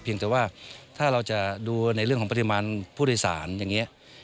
แต่ว่าถ้าเราจะดูในเรื่องของปริมาณผู้โดยสารอย่างนี้